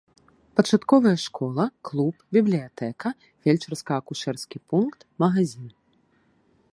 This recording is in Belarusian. Пачатковая школа, клуб, бібліятэка, фельчарска акушэрскі пункт, магазін.